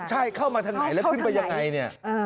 ใช่เข้ามาทางไหนแล้วขึ้นไปยังไงเนี่ย